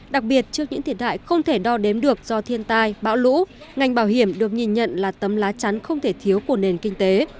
đặc biệt trước những thiệt hại không thể đo đếm được do thiên tai bão lũ ngành bảo hiểm được nhìn nhận là tấm lá chắn không thể thiếu của nền kinh tế